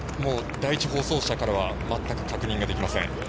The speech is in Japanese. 第１放送車からは全く確認ができません。